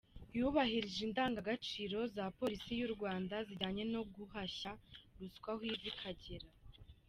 Yubahirije indangagaciro za Polisi y’u Rwanda zijyanye no guhashya ruswa aho iva ikagera″.